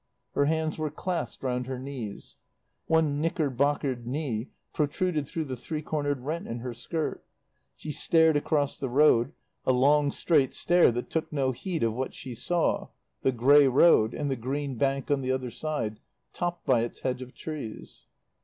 Her hands were clasped round her knees. One knickerbockered knee protruded through the three cornered rent in her skirt; she stared across the road, a long, straight stare that took no heed of what she saw, the grey road, and the green bank on the other side, topped by its hedge of trees.